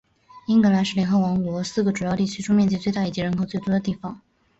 英格兰是联合王国四个主要地区中面积最大以及人口最多的地方。